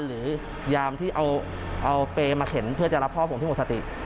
หรือยามที่เอาเปรย์มาเข็นเพื่อจะรับพ่อผมที่หมดสติ